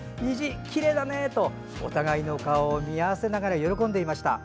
きれいだね！」とお互いの顔を見合わせて喜んでいました。